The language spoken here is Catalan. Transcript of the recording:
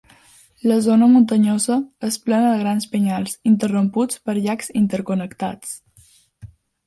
La zona muntanyosa és plena de grans penyals interromputs per llacs interconnectats.